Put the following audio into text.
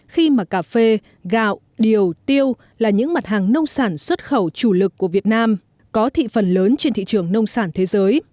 khi mà cà phê gạo điều tiêu là những mặt hàng nông sản xuất khẩu chủ lực của việt nam có thị phần lớn trên thị trường nông sản thế giới